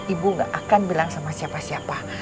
ibu gak akan bilang sama siapa siapa